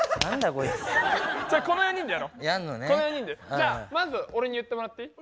じゃあまず俺に言ってもらっていい？